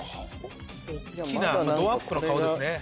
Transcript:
大っきなどアップの顔ですね。